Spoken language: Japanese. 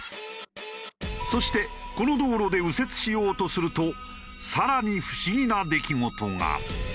そしてこの道路で右折しようとすると更に不思議な出来事が。